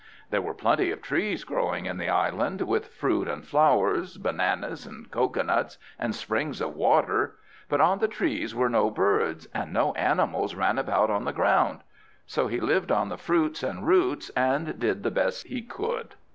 There were plenty of trees growing in the island, with fruit and flowers, bananas and cocoanuts, and springs of water; but on the trees were no birds, and no animals ran about on the ground. So he lived on the fruits and roots, and did the best he could.